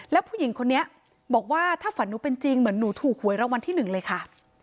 แล้วผู้หญิงคนนี้บอกว่าถ้าฝันหนูเป็นจริงเหมือนหนูถูกหวยรางวัลที่หนึ่งเลยค่ะ